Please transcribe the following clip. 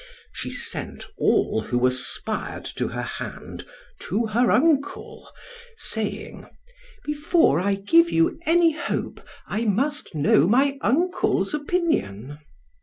She sent all who aspired to her hand to her uncle, saying: "Before I give you any hope, I must know my uncle's opinion."